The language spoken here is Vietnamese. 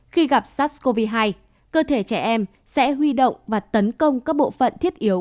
khi gặp sars cov hai cơ thể trẻ em sẽ huy động và tấn công các bộ phận thiết yếu